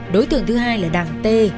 đối tượng thứ hai là đảng t